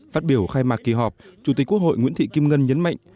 phát biểu khai mạc kỳ họp chủ tịch quốc hội nguyễn thị kim ngân nhấn mạnh